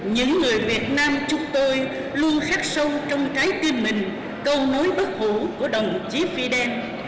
những người việt nam chúc tôi luôn khắc sâu trong trái tim mình câu nói bất hữu của đồng chí fidel